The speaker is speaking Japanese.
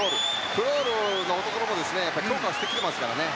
クロールは強化してきていますからね。